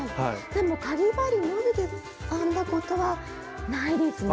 でもかぎ針のみで編んだことはないですね。